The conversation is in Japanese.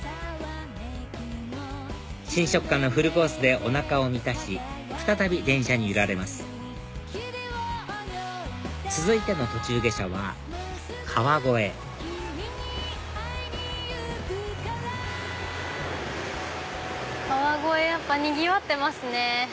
新食感のフルコースでおなかを満たし再び電車に揺られます続いての途中下車は川越川越やっぱにぎわってますね。